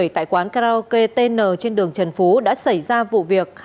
tại quán karaoke tn trên đường trần phú đã xảy ra vụ việc